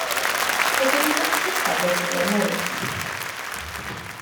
Y gweinidog cyntaf oedd William Lewis.